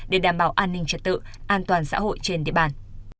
để đảm bảo an ninh trật tự an toàn xã hội trên địa bàn